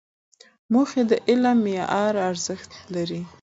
موخې د علم د معیار ارزښت لري.